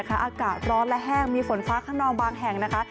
อากาศร้อนและแห้งมีฝนฟ้าขนองบางแห่งนะคะ